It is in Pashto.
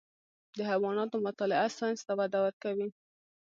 د حیواناتو مطالعه ساینس ته وده ورکوي.